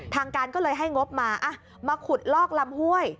ทางการก็เลยให้งบมามาขุดลอกลำห้วย